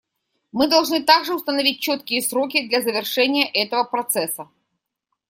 Мы должны также установить четкие сроки для завершения этого процесса.